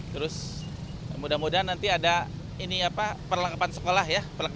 terus mudah mudahan nanti ada perlengkapan sekolah ya